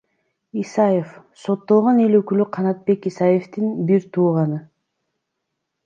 Исаев — соттолгон эл өкүлү Канатбек Исаевдин бир тууганы.